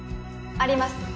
あります